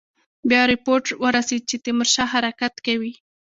بیا رپوټ ورسېد چې تیمورشاه حرکت کوي.